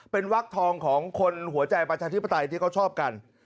เป็นวักทองของคนหัวใจประชาธิปไตยที่เขาชอบกัน